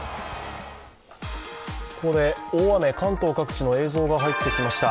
ここで大雨、関東各地の映像が入ってきました。